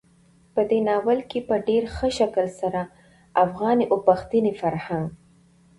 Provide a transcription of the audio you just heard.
په دې ناول کې په ډېر ښه شکل سره افغاني او پښتني فرهنګ,